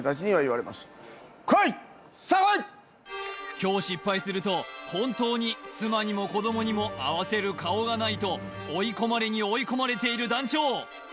今日失敗すると本当に妻にも子どもにも合わせる顔がないと追い込まれに追い込まれている団長